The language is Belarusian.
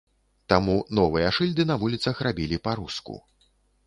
Таму новыя шыльды на вуліцах рабілі па-руску.